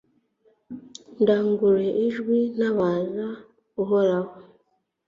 ndanguruye ijwi ntabaza uhoraho